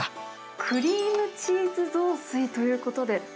クリームチーズ雑炊ということで。